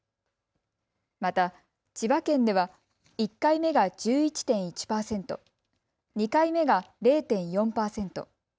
また、千葉県では１回目が１１．１％、２回目が０．４％。